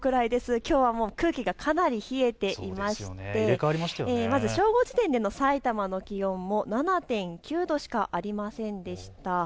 きょうは空気がかなり冷えていてまず正午時点でのさいたまの気温も７．９度しかありませんでした。